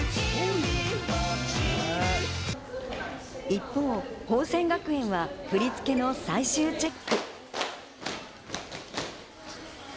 一方、宝仙学園は振り付けの最終チェック。